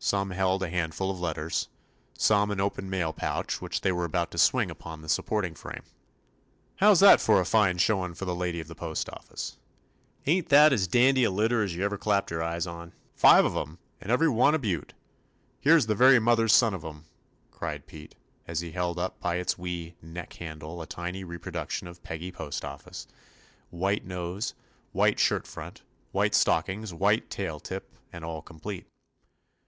Some held a handful of let ters, some an open mail pouch which they were about to swing upon the supporting frame. "How 's that for a fine showin* for the lady of the postoffice? Ain't that as dandy a litter as ever yer clapped yer eyes on? Five of 'em, and every one a beaut ! Here 's the very mother's son of 'em," cried Pete, as he held up by its wee "neck handle" a tiny reproduction of Peggy Post office, — white nose, white shirt front, 22 TOMMY POSTOFFICE white stockings, white tail tip and all complete.